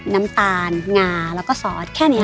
น้ำตาลงาแล้วก็ซอสแค่นี้